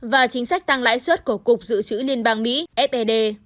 và chính sách tăng lãi suất của cục dự trữ liên bang mỹ fed